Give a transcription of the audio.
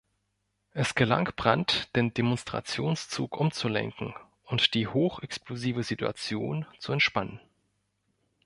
Es gelang Brandt, den Demonstrationszug umzulenken und die „hoch explosive Situation“ zu entspannen.